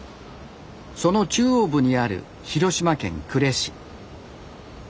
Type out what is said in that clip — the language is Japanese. その中央部にある広島県呉市。